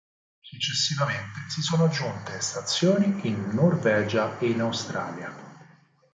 Successivamente si sono aggiunte stazioni in Norvegia e in Australia.